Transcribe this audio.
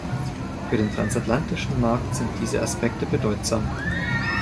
Für den Transatlantischen Markt sind diese Aspekte bedeutsam.